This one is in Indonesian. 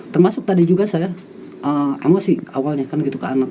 termasuk tadi juga saya emosi awalnya kan gitu ke anak